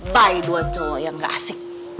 by dua cowok yang gak asik